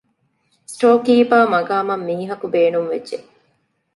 ސްޓޯރ ކީޕަރ މަޤާމަށް މީހަކު ބޭނުންވެއްްޖެ